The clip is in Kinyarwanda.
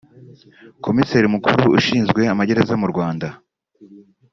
Komiseri mukuru ushinzwe amagereza mu Rwanda